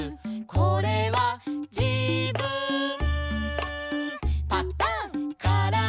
「これはじぶん」